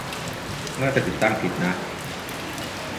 น่าจะติดตั้งผิดนะ